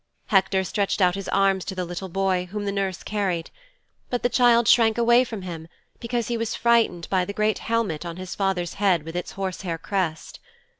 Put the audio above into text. Hector stretched out his arms to the little boy whom the nurse carried. But the child shrank away from him, because he was frightened of the great helmet on his father's head with its horse hair crest.